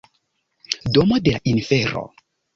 Domo de la Infero